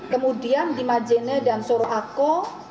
kemudian dimajene dan soroako